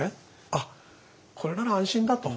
「あっこれなら安心だ」と。